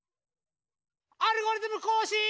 「アルゴリズムこうしん」！